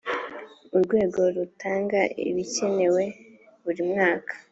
urwego rutanga ibikenewe burimwaka.